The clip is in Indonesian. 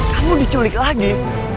kamu diculik lagi